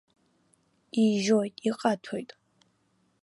Ижьоит-иҟаҭәоит.